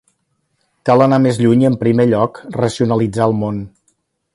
Cal anar més lluny i en primer lloc racionalitzar el món.